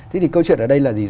thế thì câu chuyện ở đây là gì